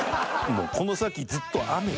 もうこの先ずっと雨。